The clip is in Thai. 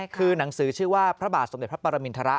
คือหนังสือชื่อว่าพระบาทสมเด็จพระปรมินทร